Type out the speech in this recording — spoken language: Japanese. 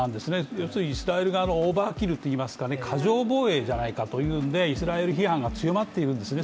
要するにイスラエル側のオーバーキルといいますか、過剰防衛じゃないかというんでイスラエル批判が強まっているんですね。